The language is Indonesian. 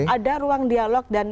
ada ruang dialog dan